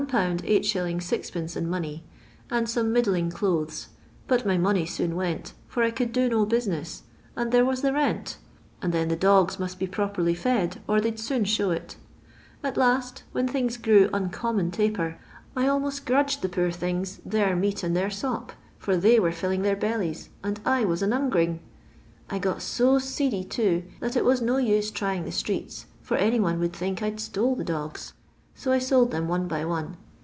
8«. 6d: in money, and some middling clothes; but my money soon went, for I could do no business,''and there was the rent, and then the dogs must be properiy fed, or they 'd soon show it At last, when things grew uncommon taper, I almost grudffed the poor things their meat and their sop, for they were filling their bellies, and I was an 'ung'ring. I got so seedy, too, tlmt it was no use trying the streets, /or any one would think I 'd stole the dogs. So I sold them one by one.